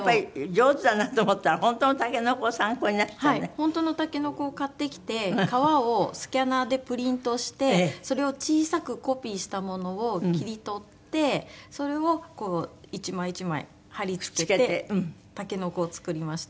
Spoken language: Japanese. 本当のタケノコを買ってきて皮をスキャナーでプリントしてそれを小さくコピーしたものを切り取ってそれをこう１枚１枚貼り付けてタケノコを作りました。